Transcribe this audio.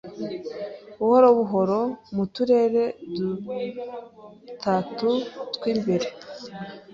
Buhoro buhoro mu turere dutatu twimbere